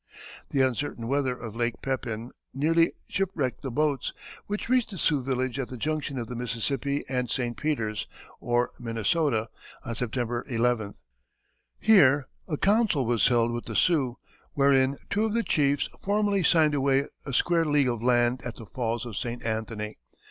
The uncertain weather of Lake Pepin nearly shipwrecked the boats, which reached the Sioux village at the junction of the Mississippi and St. Peters, or Minnesota, on September 11th. Here a council was held with the Sioux, wherein two of the chiefs formally signed away a square league of land at the Falls of St. Anthony.